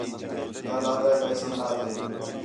ٻِیال آہدا ہِے پیسے نا تھین